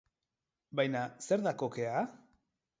Baina zer da kokea?